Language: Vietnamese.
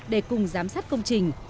để cùng giám sát công trình